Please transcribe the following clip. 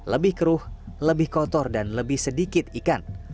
lebih keruh lebih kotor dan lebih sedikit ikan